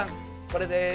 これです！